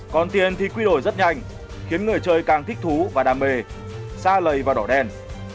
còn tiền thì quy đổi rất nhanh khiến người chơi càng thích thú và đam mê xa lầy và đỏ đen